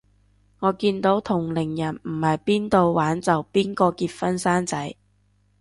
我見到同齡人唔係邊到玩就邊個結婚生仔